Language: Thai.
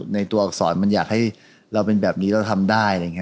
ในตัวอักษรมันอยากให้เราเป็นแบบนี้เราทำได้